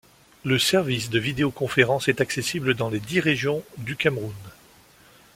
Le service de vidéo-conférence est accessible dans les dix régions du Cameroun.